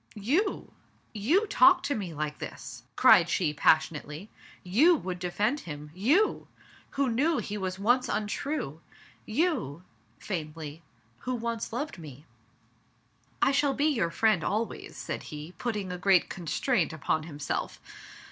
"You! you talk to me like this?" cried she pas sionately. " You would defend him ! You ! who knew he was once untrue? You" — faintly — "who once loved me?" "I shall be your friend always," said he, putting a great constraint upon himself.